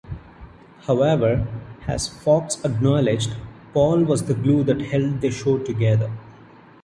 However, as Fox acknowledged, Paul was the glue that held the show together.